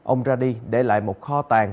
ông ra đi để lại một kho tàn